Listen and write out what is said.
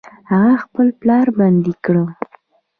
هغه خپل پلار بندي کړ.